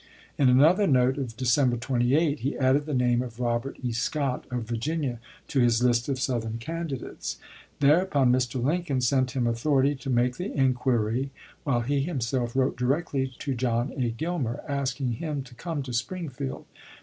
In another note, of December 28, he added the name of Robert E. Scott, of Vir ginia, to his list of Southern candidates. There upon Mr. Lincoln sent him authority to make the inquiry, while he himself wrote directly to John A. Gilmer asking him to come to Springfield.